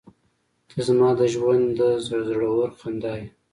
• ته زما د ژونده زړور خندا یې.